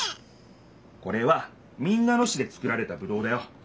これは民奈野市でつくられたぶどうだよ。